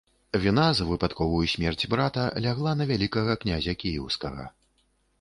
Віна за выпадковую смерць брата лягла на вялікага князя кіеўскага.